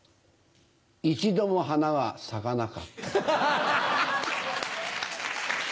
一度も花は咲かなかった。